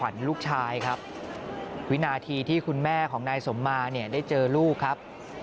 ลูกชายครับวินาทีที่คุณแม่ของนายสมมาเนี่ยได้เจอลูกครับ